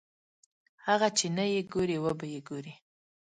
هغه چې نه یې ګورې وبه یې ګورې.